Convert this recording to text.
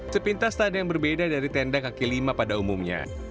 sepintas tak ada yang berbeda dari tenda kaki lima pada umumnya